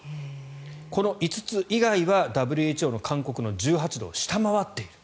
この５つ以外はＷＨＯ勧告の１８度を下回っている。